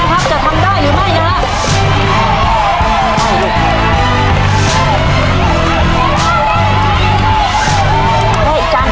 ได้อีกจานเดียวตำเลยจ้ะตำเลยใช่ใช่ใช่